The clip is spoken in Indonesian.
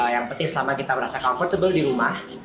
yang penting selama kita merasa comfortable di rumah